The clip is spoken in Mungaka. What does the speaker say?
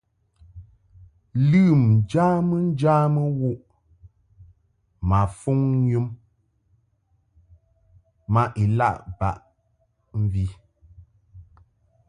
Lɨm njamɨŋjamɨ wuʼ ma fuŋ yum ma ilaʼ baʼ mvi.